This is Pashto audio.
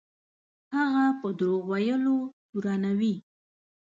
هغه په دروغ ویلو تورنوي.